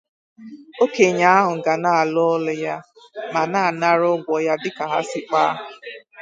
Okenye ahụ ga na-alụ ọlụ ya ma na-anara ụgwọ ya dịka ha si kpaa.